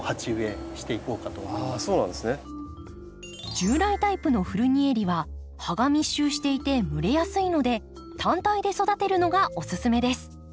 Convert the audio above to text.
従来タイプのフルニエリは葉が密集していて蒸れやすいので単体で育てるのがおすすめです。